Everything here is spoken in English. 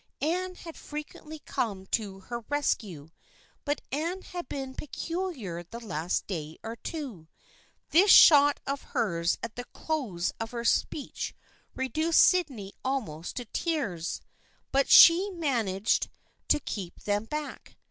Anne had frequently come to her rescue, but Anne had been peculiar the last day or two. This shot of hers at the close of her speech reduced Sydney almost to tears, but she managed to keep them back.